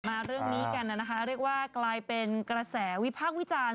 มาเรื่องนี้กันนะคะเรียกว่ากลายเป็นกระแสวิพากษ์วิจารณ์